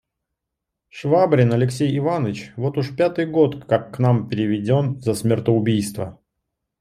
Швабрин Алексей Иваныч вот уж пятый год как к нам переведен за смертоубийство.